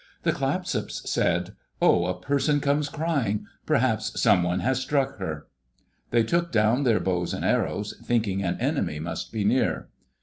The Clatsops said, " Oh, a person comes crying I Perhaps someone has struck her I'* They took down their bows and arrows, thinking an enemy must be near.